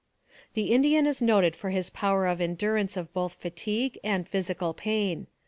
The Indian is noted for his power of endurance of both fatigue and physical pain.